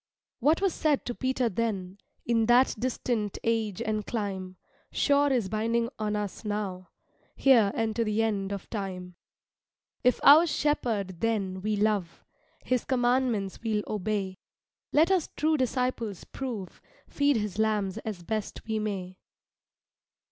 What was said to Peter then, In that distant age and clime, Sure is binding on us now, Here and to the end of time. If our Shepherd then we love, His commandments we'll obey; Let us true disciples prove, Feed his lambs as best we may.